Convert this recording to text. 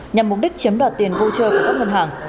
nhằm mục đích chiếm đoạt tiền vô trợ của các ngân hàng